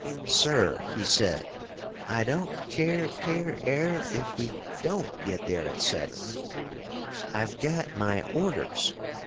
"Sir," he said, "I don't care care air if we don't get there at seven." "I've got my orders!"